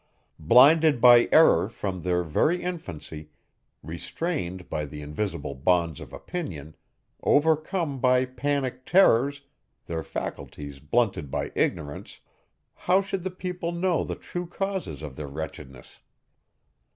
Blinded by error from their very infancy, restrained by the invisible bonds of opinion, overcome by panic terrors, their faculties blunted by ignorance, how should the people know the true causes of their wretchedness?